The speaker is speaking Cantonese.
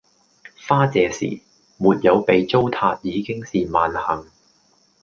花謝時；沒有被糟蹋已經是萬幸